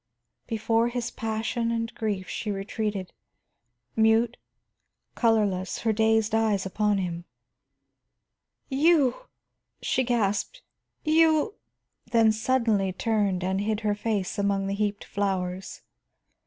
Before his passion and grief she retreated, mute, colorless, her dazed eyes upon him. "You!" she gasped, "You " then suddenly turned and hid her face among the heaped flowers.